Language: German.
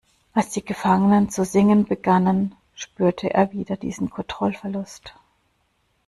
Als die Gefangenen zu singen begannen, spürte er wieder diesen Kontrollverlust.